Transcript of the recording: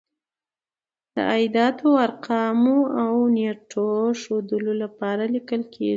د اعدادو، ارقامو او نېټو د ښودلو لپاره لیکل کیږي.